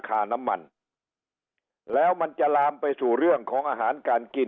ค่าน้ำมันแล้วมันจะลามไปสู่เรื่องของอาหารการกิน